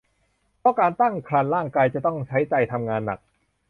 เพราะการตั้งครรภ์ร่างกายจะต้องใช้ไตทำงานหนัก